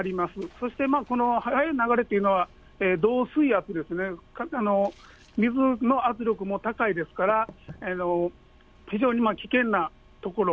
そしてこの速い流れというのは、どう水圧ですね、水の圧力も高いですから、非常に危険なところ。